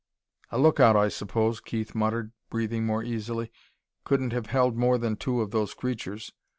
"A lookout, I suppose," Keith muttered, breathing more easily. "Couldn't have held more than two of those creatures....